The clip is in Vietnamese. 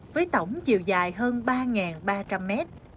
với tổng chiều dài hơn ba ba trăm linh mét